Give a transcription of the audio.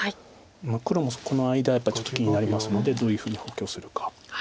黒もこの間はちょっと気になりますのでどういうふうに補強するか。